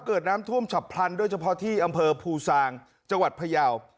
เกิดน้ำท่วมฉับพลันโดยเฉพาะที่อำเภอภูซางจังหวัดพยาว